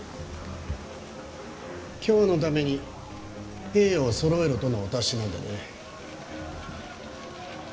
きょうのために兵を揃えろとのお達しなんでね。